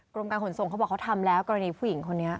กรมการขนส่งเขาบอกเขาทำแล้วกรณีผู้หญิงคนนี้